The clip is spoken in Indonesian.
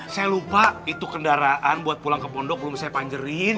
saya lupa itu kendaraan buat pulang ke pondok belum saya panjerin